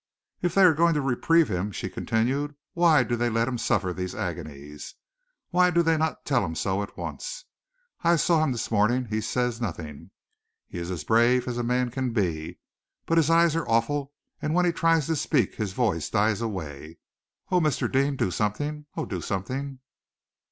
"If they are going to reprieve him," she continued, "why do they let him suffer these agonies? Why do they not tell him so at once? I saw him this morning. He says nothing. He is as brave as a man can be, but his eyes are awful, and when he tries to speak his voice dies away. Oh! Mr. Deane, do something! Oh! do something!"